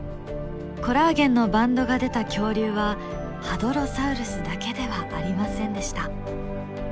コラーゲンのバンドが出た恐竜はハドロサウルスだけではありませんでした。